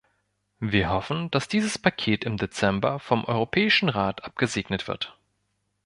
Wir hoffen, dass dieses Paket im Dezember vom Europäischen Rat abgesegnet wird.